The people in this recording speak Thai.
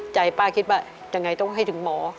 ใจป้าคิดว่ายังไงต้องให้ถึงหมอ